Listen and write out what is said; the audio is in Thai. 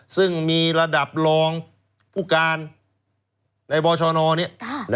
ซึ่งมีระดับรองผู้การในบชนเนี่ย